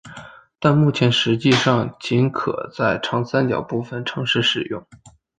但目前实际上仅可在长三角部分城市使用。